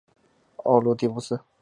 奥卢狄乌斯。